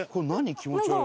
気持ち悪い。